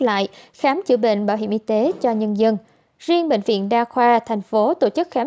lại khám chữa bệnh bảo hiểm y tế cho nhân dân riêng bệnh viện đa khoa thành phố tổ chức khám